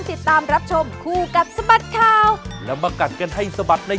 โปรดติดตามตอนต่อไป